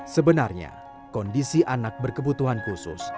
sebenarnya kondisi anak berkebutuhan khusus